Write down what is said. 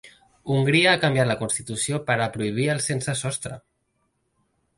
Hongria ha canviat la constitució per a prohibir els sense sostre.